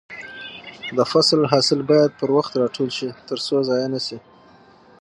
د فصل حاصل باید پر وخت راټول شي ترڅو ضايع نشي.